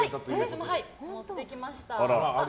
私も持ってきました。